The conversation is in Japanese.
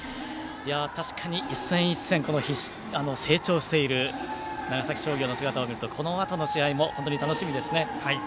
確かに一戦一戦成長している長崎商業の姿を見るとこのあとの試合も本当に楽しみですね。